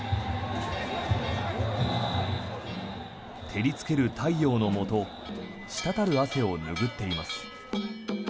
照りつける太陽のもと滴る汗を拭っています。